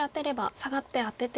サガってアテて。